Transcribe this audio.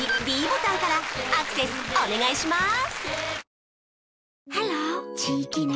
ｄボタンからアクセスお願いします